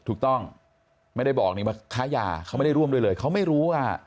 ถูกต้องไม่ได้บอกนี่ว่าค้ายาเขาไม่ได้ร่วมด้วยเลยเขาไม่รู้ว่า